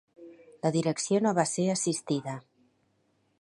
La direcció no va ser assistida.